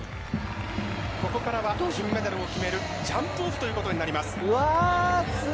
ここからは金メダルを決めるジャンプオフということになります。